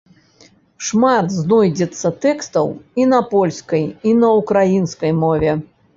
Шмат знойдзецца тэкстаў і на польскай, і на ўкраінскай мове.